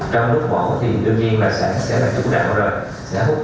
trong lúc bỏ thì đương nhiên là sẽ là chủ đạo rồi